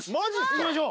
行きましょう。